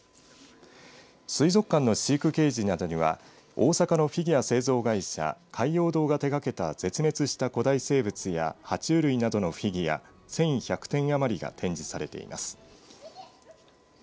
水族館の飼育ケージなどには大阪のフィギュア製造会社海洋堂が手がけた絶滅した古代生物やは虫類などのフィギュア１１００点余りが展示されています。